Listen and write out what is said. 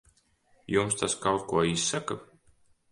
Jums tas kaut ko izsaka?